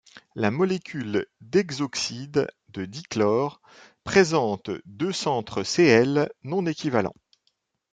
La molécule d'hexoxyde de dichlore présente deux centres Cl non-équivalents.